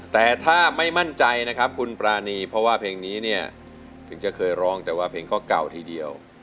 แต่ถ้าไม่มั่นใจนะครับคุณปรานีเพราะว่าเพลงนี้เนี่ยถึงจะเคยร้องแต่ว่าเพลงก็เก่าทีเดียว